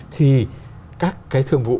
thì các thương vụ